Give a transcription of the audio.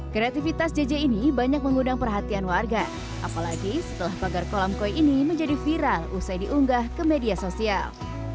kreativitas jj ini banyak mengundang perhatian warga apalagi setelah pagar kolam koi ini menjadi viral usai diunggah ke media sosial